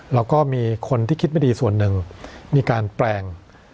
แล้วก็มีคนที่คิดไม่ดีส่วนหนึ่งมีการแปลง